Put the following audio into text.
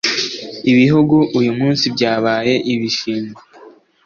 “ibihugu uyu munsi byabaye ibishwange